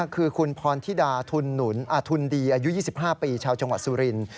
คือคุณพรธิดาทุนหนุนทุนดีอายุ๒๕ปีชาวจังหวัดสุรินทร์